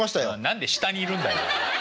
何で下にいるんだよ。